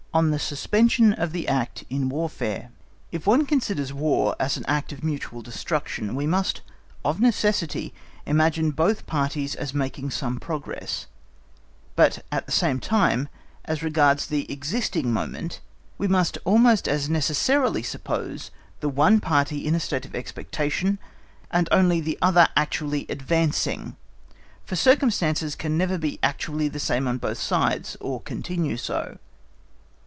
On the Suspension of the Act in War If one considers War as an act of mutual destruction, we must of necessity imagine both parties as making some progress; but at the same time, as regards the existing moment, we must almost as necessarily suppose the one party in a state of expectation, and only the other actually advancing, for circumstances can never be actually the same on both sides, or continue so.